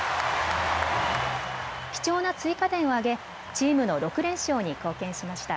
貴重な追加点を挙げチームの６連勝に貢献しました。